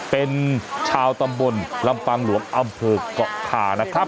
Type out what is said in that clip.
เป็นชาวตำบลลำปางหลวงอำเภอกเกาะคานะครับ